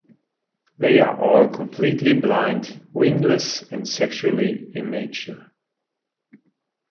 They are all completely blind, wingless, and sexually immature.